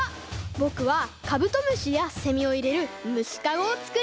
ぼくはカブトムシやセミをいれるむしかごをつくりたいです。